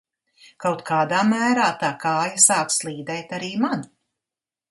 Kaut kādā mērā tā kāja sāk slīdēt arī man...